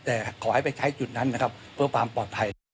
แต่ขอให้ไปใช้จุดนั้นนะครับเพื่อความปลอดภัย